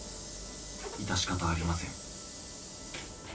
致し方ありません。